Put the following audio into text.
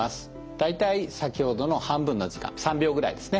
大体先ほどの半分の時間３秒ぐらいですね。